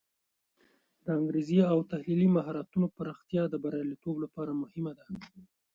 د انګیرنې او تحلیلي مهارتونو پراختیا د بریالیتوب لپاره مهمه ده.